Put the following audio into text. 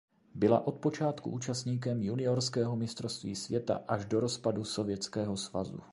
Byla od počátku účastníkem juniorského mistrovství světa až do rozpadu Sovětského svazu.